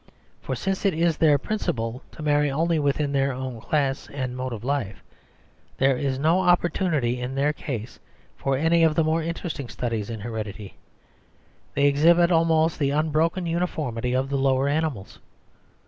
For since it is their principle to marry only within their own class and mode of life, there is no opportunity in their case for any of the more interesting studies in heredity; they exhibit almost the unbroken uniformity of the lower animals.